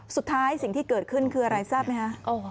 สิ่งที่เกิดขึ้นคืออะไรทราบไหมคะ